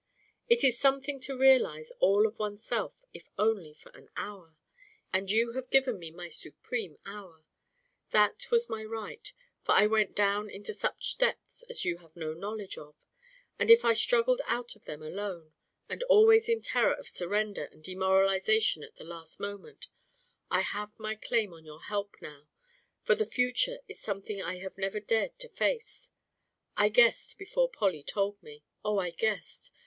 "It is something to realise all of oneself if only for an hour. And you have given me my supreme hour. That was my right, for I went down into such depths as you have no knowledge of; and if I struggled out of them alone, and always in terror of surrender and demoralisation at the last moment, I have my claim on your help now, for the future is something I have never dared to face. I guessed before Polly told me oh, I guessed!